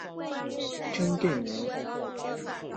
真定人。